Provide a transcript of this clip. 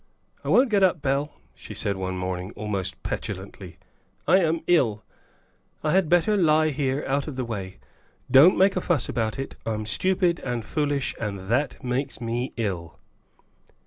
"I won't get up, Bell," she said one morning, almost petulantly. "I am ill; I had better lie here out of the way. Don't make a fuss about it. I'm stupid and foolish, and that makes me ill."